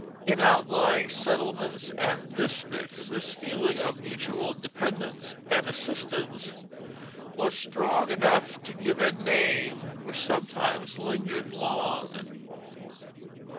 In outlying settlements and districts this feeling of mutual dependence and assistance was strong enough to give a name which sometimes lingered long.